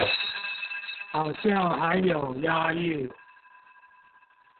好像還有押韻